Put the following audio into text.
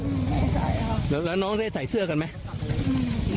อืมไม่ใช่ครับแล้วแล้วน้องได้ใส่เสื้อกันไหมอืม